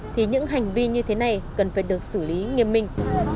thì những hành vi như thế này cần phải được xử lý nghiêm minh